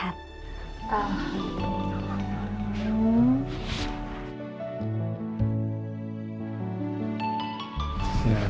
hai alhamdulillah bu pak semuanya sehat